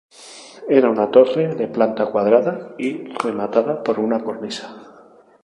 Era una torre de planta cuadrada y rematada por una cornisa.